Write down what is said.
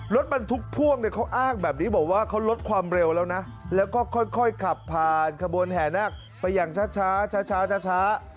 รถบรรทุกพ่วงเนี่ยเขาอ้างแบบนี้บอกว่าเขาลดความเร็วแล้วนะแล้วก็ค่อยขับผ่านขบวนแห่นาคไปอย่างช้า